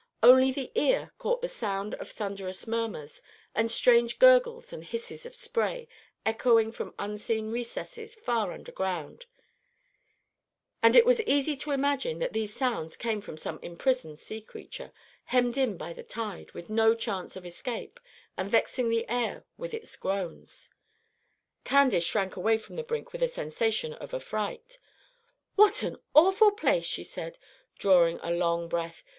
Only the ear caught the sound of thunderous murmurs and strange gurgles and hisses of spray echoing from unseen recesses far underground; and it was easy to imagine that these sounds came from some imprisoned sea creature, hemmed in by the tide, with no chance of escape, and vexing the air with its groans. Candace shrank away from the brink with a sensation of affright. "What an awful place!" she said, drawing a long breath.